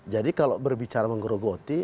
jadi kalau berbicara menggerogoti